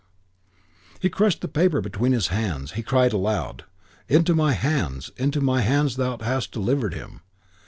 He crushed the paper between his hands. He cried aloud: "Into my hands! Into my hands thou hast delivered him!"